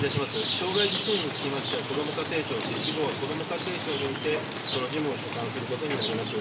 障害児支援につきましては、こども家庭庁設置後は、こども家庭庁において、その事務を所管することになります。